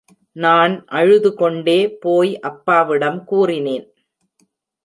நான் அழுதுகொண்டே போய் அப்பாவிடம் கூறினேன்.